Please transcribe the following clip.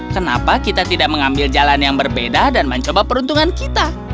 kenapa kita tidak mengambil jalan yang berbeda dan mencoba peruntungan kita